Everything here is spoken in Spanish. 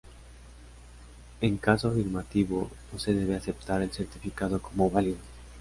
En caso afirmativo, no se debe aceptar el certificado como válido.